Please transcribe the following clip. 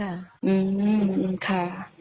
อืมค่ะ